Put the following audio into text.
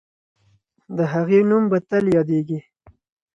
د هغې نوم به تل یادېږي.